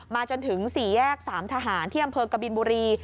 จนถึง๔แยก๓ทหารที่อำเภอกบินบุรี